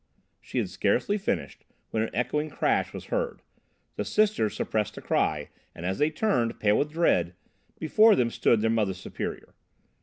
She had scarcely finished when an echoing crash was heard. The sisters suppressed a cry, and as they turned, pale with dread, before them stood their Mother Superior.